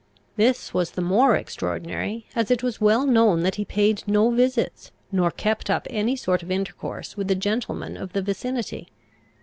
This was the more extraordinary, as it was well known that he paid no visits, nor kept up any sort of intercourse with the gentlemen of the vicinity.